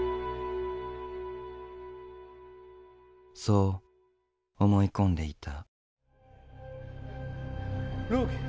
そう思い込んでいた。